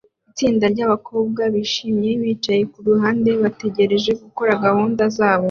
Itsinda ryabakobwa bishimye bicaye kuruhande bategereje gukora gahunda zabo